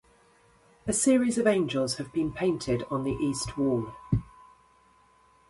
A series of angels have been painted on the east wall.